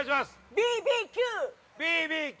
◆ＢＢＱ◆Ｑ！